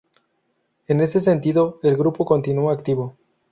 En ese sentido, el grupo continúa activo.